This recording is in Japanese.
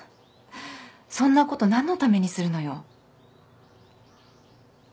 そんなこと何のためにするのよ。